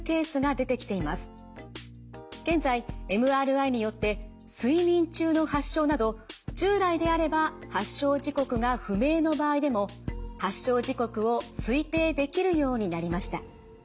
現在ＭＲＩによって睡眠中の発症など従来であれば発症時刻が不明の場合でも発症時刻を推定できるようになりました。